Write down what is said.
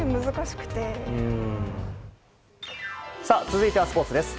続いてはスポーツです。